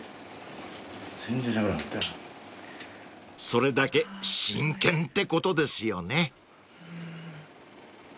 ［それだけ真剣ってことですよね］